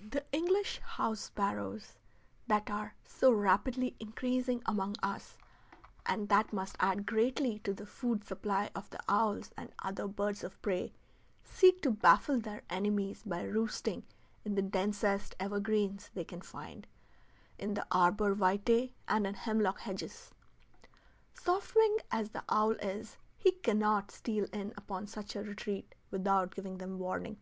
The English house sparrows, that are so rapidly increasing among us, and that must add greatly to the food supply of the owls and other birds of prey, seek to baffle their enemies by roosting in the densest evergreens they can find, in the arbor vitæ, and in hemlock hedges. Soft winged as the owl is, he cannot steal in upon such a retreat without giving them warning.